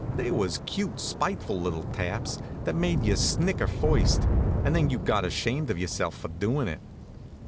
They was cute, spiteful little taps, that made you snicker first, and then you got ashamed of yourself for doin' it.